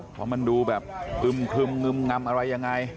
เพราะมันดูแบบคึมงำอะไรอย่างไร